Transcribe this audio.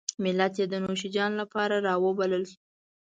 ملت یې د نوشیجان لپاره راوبلل شو.